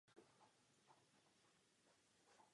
Ostatní vnitřní zařízení je novodobé z poválečného období.